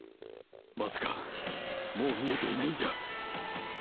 まさかもう見えていないんじゃ。